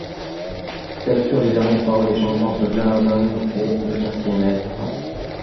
Telles furent les dernières paroles échangées entre Glenarvan et le quartier-maître.